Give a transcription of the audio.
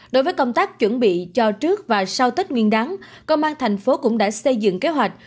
đối với công tác chuẩn bị cho trước và sau tết nguyên đáng công an thành phố cũng đã xây dựng kế hoạch